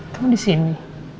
kamu di sini